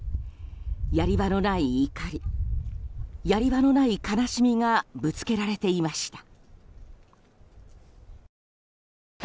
やり場のない怒りやり場のない悲しみがぶつけられていました。